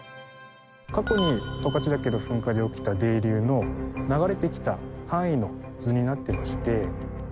過去に十勝岳の噴火で起きた泥流の流れてきた範囲の図になってまして。